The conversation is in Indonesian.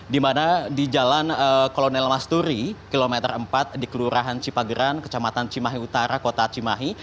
di mana di jalan kolonel masturi kilometer empat di kelurahan cipageran kecamatan cimahi utara kota cimahi